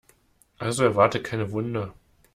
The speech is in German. Also erwarte keine Wunder.